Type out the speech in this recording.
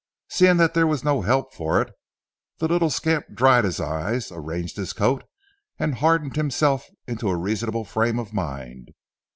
Seeing that there was no help for it, the little scamp dried his eyes, arranged his coat and hardened himself into a reasonable frame of mind.